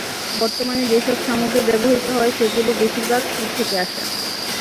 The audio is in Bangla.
বর্তমানে যেসব সামগ্রী ব্যবহৃত হয়, সেগুলোর বেশির ভাগ চীন থেকে আসা।